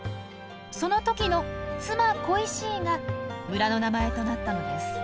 その時の「妻・恋しい」が村の名前となったのです。